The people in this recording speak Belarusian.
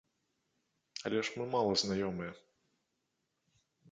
Але мы ж мала знаёмыя.